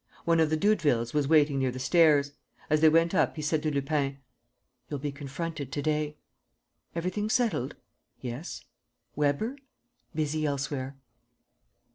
One of the Doudevilles was waiting near the stairs. As they went up, he said to Lupin: "You'll be confronted to day." "Everything settled?" "Yes." "Weber?" "Busy elsewhere."